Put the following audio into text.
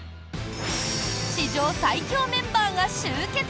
史上最強メンバーが集結！